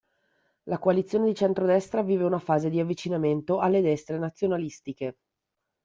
La coalizione di centrodestra vive una fase di avvicinamento alle destre nazionalistiche.